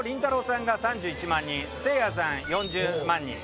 さんが３１万人せいやさん４０万人。